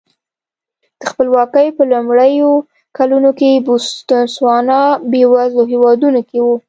د خپلواکۍ په لومړیو کلونو کې بوتسوانا بېوزلو هېوادونو کې و.